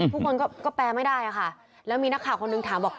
ทุกคนก็แปลไม่ได้ค่ะแล้วมีนักข่าวคนหนึ่งถามบอก